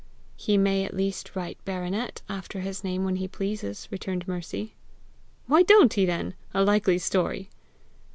"He may at least write BARONET after his name when he pleases," returned Mercy. "Why don't he then? A likely story!"